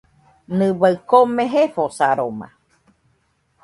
Nɨbai kome jefosaroma.